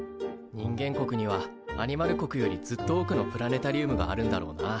人間国にはアニマル国よりずっと多くのプラネタリウムがあるんだろうな。